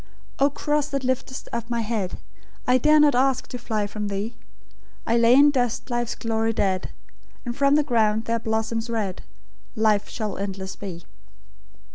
"O Cross, that liftest up my head, I dare not ask to fly from Thee; I lay in dust life's glory dead, And from the ground there blossoms red Life that shall endless be."